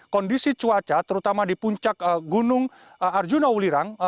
kondisi cuaca terutama di puncak gunung arjuna ulirang